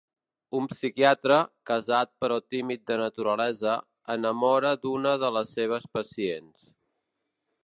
Un psiquiatre, casat però tímid de naturalesa, enamora d'una de les seves pacients.